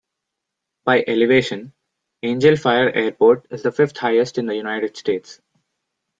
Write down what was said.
By elevation, Angel Fire Airport is the fifth highest in the United States.